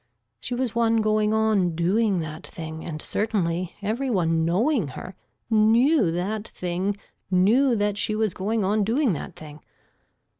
She was one going on doing that thing and certainly every one knowing her knew that thing knew that she was going on doing that thing.